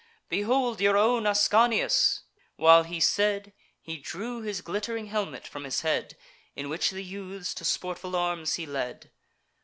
Behold your own Ascanius!" While he said, He drew his glitt'ring helmet from his head, In which the youths to sportful arms he led.